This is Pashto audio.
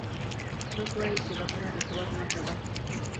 څوک وایي چې بښنه د قوت نښه ده